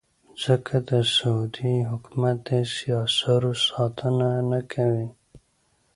ځکه د سعودي حکومت داسې اثارو ساتنه نه کوي.